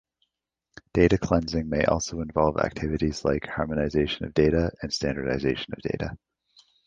Data cleansing may also involve activities like, harmonization of data, and standardization of data.